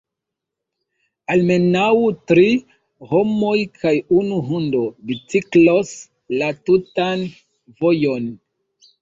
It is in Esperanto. Almenaŭ tri homoj kaj unu hundo biciklos la tutan vojon.